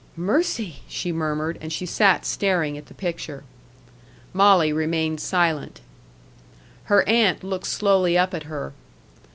"Mercy!" she murmured; and she sat staring at the picture. Molly remained silent. Her aunt looked slowly up at her.